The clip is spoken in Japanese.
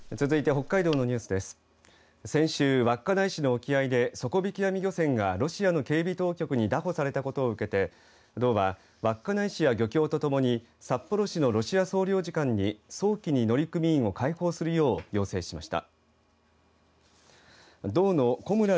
先週、稚内市の沖合で底引き網漁船がロシアの警備当局に拿捕されたことを受けて道は稚内市や漁協とともに札幌市のロシア総領事館に早期に乗組員を解放するよう要請しました。